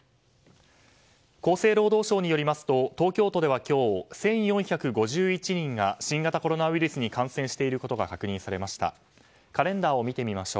厚生労働省によりますと東京都では今日１４５１人が新型コロナウイルスに感染していることが確認されました。